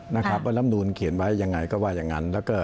ว่ารัฐมนูลเขียนไว้อย่างไรก็ว่าอย่างนั้น